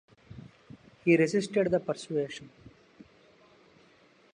He resisted the persuasion.